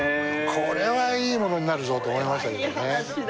これはいいものになるぞと思いましたけどね。